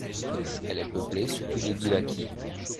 Elle est peuplée surtout de Gilaki.